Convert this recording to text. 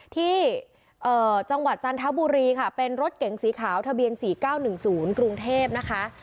ที่จังหวัดจันทบุรีค่ะเป็นรถเก๋งสีขาวทะเบียน๔๙๑๐กรุงเทพนะคะ